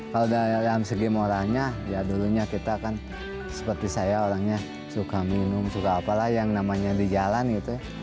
sebagai orangnya ya dulunya kita kan seperti saya orangnya suka minum suka apalah yang namanya di jalan gitu